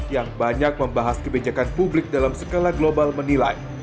yang banyak membahas kebijakan publik dalam skala global menilai